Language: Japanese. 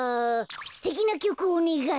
すてきなきょくをおねがい。